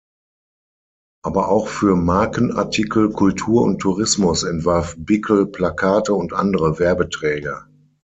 Aber auch für Markenartikel, Kultur und Tourismus entwarf Bickel Plakate und andere Werbeträger.